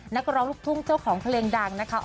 นักร้องลูกทุ่งเจ้าของเพลงดังนะคะ